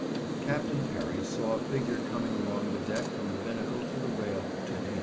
Captain Parry saw a figure coming along the deck from the binnacle to the rail to hail.